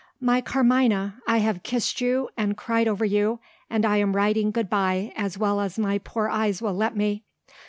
"My Carmina, I have kissed you, and cried over you, and I am writing good bye as well as my poor eyes will let me.